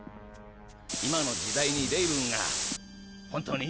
今の時代にレイブンが本当に。